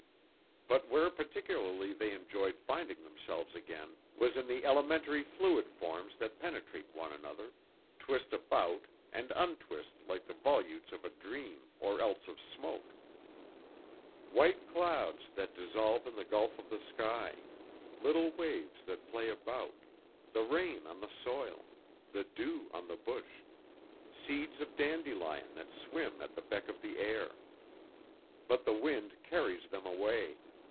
But where particularly they enjoyed finding themselves again was in the elementary fluid forms that penetrate one another, twist about and untwist like the volutes of a dream or else of smoke: white clouds that dissolve in the gulf of the sky, little waves that play about, the rain on the soil, the dew on the bush, seeds of dandelion that swim at the beck of the air.... But the wind carries them away.